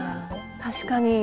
確かに。